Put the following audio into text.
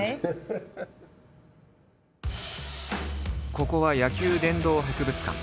ここは野球殿堂博物館。